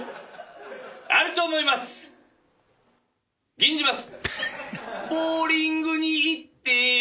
「吟じます」